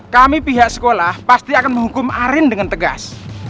kami pihak sekolah pasti akan menghukum arin dengan tegas